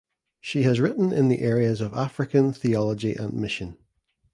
She has written in the areas of African theology and mission.